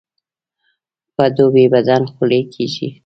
په دوبي بدن خولې کیږي